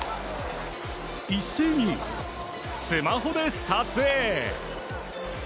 一斉にスマホで撮影。